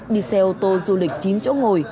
đi xe ô tô du lịch chín chỗ ngồi